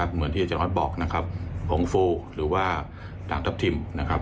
เหมือนที่อาจารย์ออสบอกโฮงฟูหรือว่าด่างทับทิม